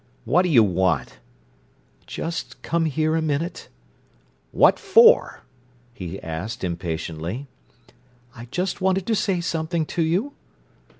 "What do you want?" "Just come here a minute." "What for?" he asked impatiently. "I just wanted to say something to you."